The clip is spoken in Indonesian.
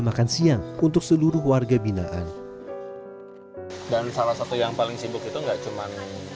makan siang untuk seluruh warga binaan dan salah satu yang paling sibuk itu enggak cuman